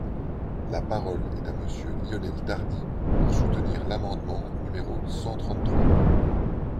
La parole est à Monsieur Lionel Tardy, pour soutenir l’amendement numéro cent trente-trois.